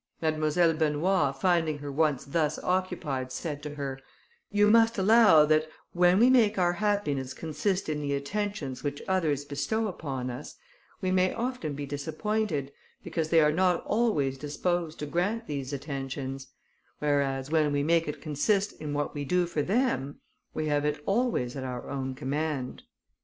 Mademoiselle Benoît, finding her once thus occupied, said to her, "You must allow, that when we make our happiness consist in the attentions which others bestow upon us, we may often be disappointed, because they are not always disposed to grant these attentions; whereas, when we make it consist in what we do for them, we have it always at our own command."